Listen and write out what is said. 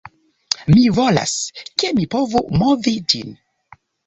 Mi volas, ke mi povu movi ĝin